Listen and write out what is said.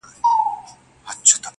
مجبوره ته مه وايه، چي غښتلې.